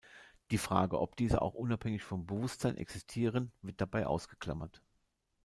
Die Frage, ob diese auch unabhängig vom Bewusstsein existieren, wird dabei ausgeklammert.